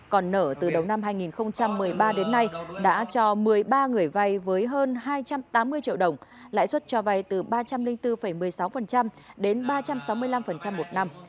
còn nở từ đầu năm hai nghìn một mươi ba đến nay đã cho một mươi ba người vay với hơn hai trăm tám mươi triệu đồng lãi suất cho vay từ ba trăm linh bốn một mươi sáu đến ba trăm sáu mươi năm một năm